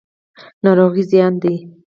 ناروغي زیان دی.